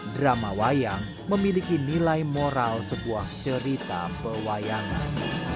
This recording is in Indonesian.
drama wayang memiliki nilai moral sebuah cerita pewayangan